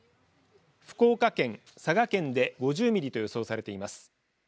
福岡県、佐賀県で５０ミリと予想されています。